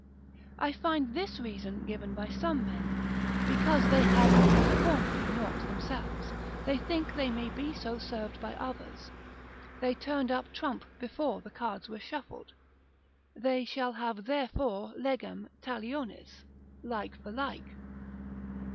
I find this reason given by some men, because they have been formerly naught themselves, they think they may be so served by others, they turned up trump before the cards were shuffled; they shall have therefore legem talionis, like for like.